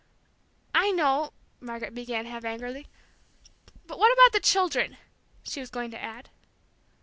"I know," Margaret began, half angrily; "but what about the children?" she was going to add.